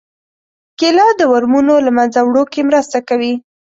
کېله د ورمونو له منځه وړو کې مرسته کوي.